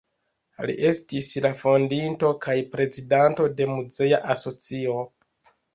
Li estis la fondinto kaj prezidanto de muzea asocio.